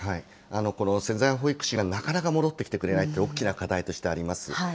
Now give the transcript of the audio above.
この潜在保育士がなかなか戻ってきてくれないって、大きな課題としてあります。